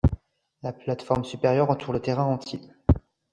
La plate-forme supérieure entoure le terrain entier.